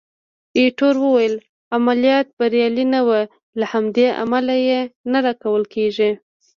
ایټور وویل: عملیات بریالي نه وو، له همدې امله یې نه راکول کېږي.